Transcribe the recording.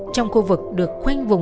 trong khu vực được khoanh vùng